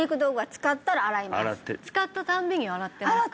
使ったたんびに洗ってますか？